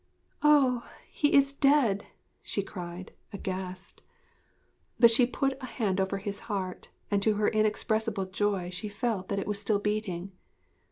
'Ah, he is dead!' she cried, aghast. But she put a hand over his heart, and to her inexpressible joy she felt that it was still beating.